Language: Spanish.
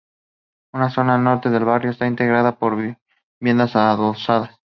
Una zona al norte del barrio está integrada por viviendas adosadas.